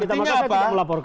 maksudnya saya tidak melaporkan